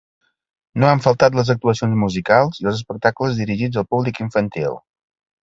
No han faltat les actuacions musicals i els espectacles dirigits al públic infantil.